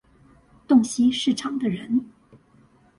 洞悉市場的人